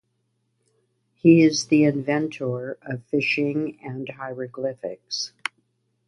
He is the inventor of fishing and hieroglyphs.